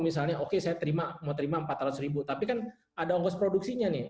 misalnya oke saya terima mau terima empat ratus ribu tapi kan ada ongkos produksinya nih